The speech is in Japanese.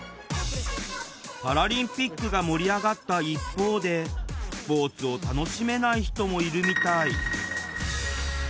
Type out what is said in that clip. パラリンピックが盛り上がった一方でスポーツを楽しめない人もいるみたい。